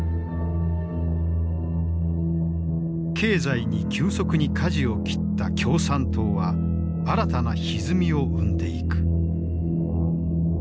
経済に急速にかじを切った共産党は新たなひずみを生んでいく。